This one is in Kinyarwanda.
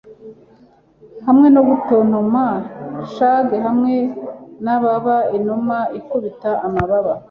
hamwe no gutontoma shag hamwe n'ibaba-inuma ikubita amababa